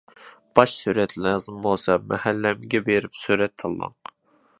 باش سۈرەت لازىم بولسا مەھەللەمگە بېرىپ سۈرەت تاللاڭ!